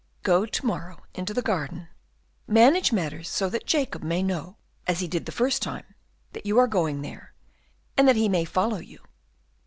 "Go to morrow into the garden; manage matters so that Jacob may know, as he did the first time, that you are going there, and that he may follow you.